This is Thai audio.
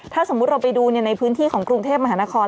ถ้าสมมุติเราไปดูในพื้นที่ของกรุงเทพมหานคร